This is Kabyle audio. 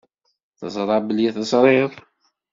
Teẓra belli teẓriḍ.